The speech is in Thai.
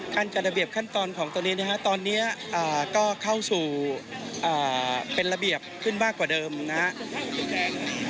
การจัดระเบียบขั้นตอนของตัวนี้นะฮะตอนนี้ก็เข้าสู่เป็นระเบียบขึ้นมากกว่าเดิมนะครับ